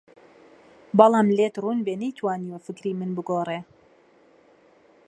بەڵام لێت ڕوون بێ نەیتوانیوە فکری من بگۆڕێ